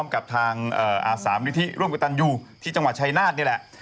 กับทางสามนิธิร่วมกับตันอยู่ที่จังหวัดชายนาฏนี่แหละ